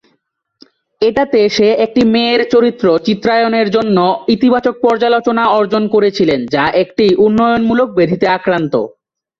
এটাতে সে একটি মেয়ের চরিত্র চিত্রায়নের জন্য ইতিবাচক পর্যালোচনা অর্জন করেছিলেন যা একটি উন্নয়নমূলক ব্যাধিতে আক্রান্ত।